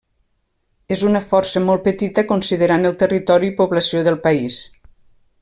És una força molt petita considerant el territori i població del país.